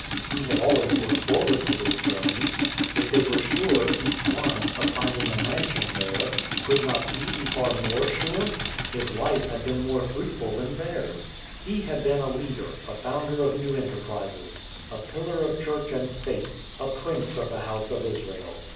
He had always looked forward to this journey. If they were sure, each one, of finding a mansion there, could not he be far more sure? His life had been more fruitful than theirs. He had been a leader, a founder of new enterprises, a pillar of Church and State, a prince of the House of Israel.